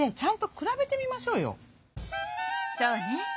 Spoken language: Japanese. そうね。